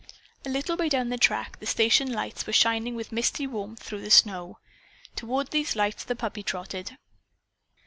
A little way down the track the station lights were shining with misty warmth through the snow. Toward these lights the puppy trotted.